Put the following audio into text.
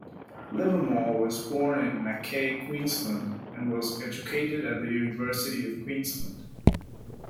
Livermore was born in Mackay, Queensland, and was educated at the University of Queensland.